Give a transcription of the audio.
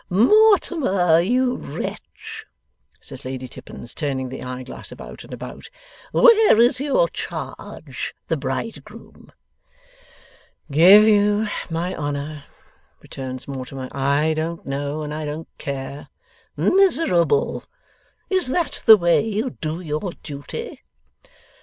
'Mortimer, you wretch,' says Lady Tippins, turning the eyeglass about and about, 'where is your charge, the bridegroom?' 'Give you my honour,' returns Mortimer, 'I don't know, and I don't care.' 'Miserable! Is that the way you do your duty?